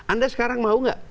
anda sekarang mau gak